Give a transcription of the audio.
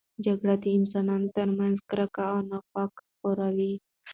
جګړه د انسانانو ترمنځ کرکه او نفاق خپروي.